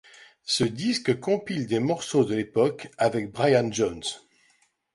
Ce disque compile des morceaux de l'époque avec Brian Jones.